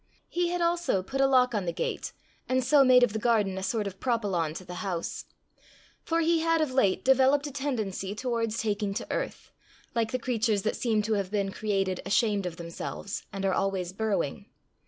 He had also put a lock on the gate, and so made of the garden a sort of propylon to the house. For he had of late developed a tendency towards taking to earth, like the creatures that seem to have been created ashamed of themselves, and are always burrowing.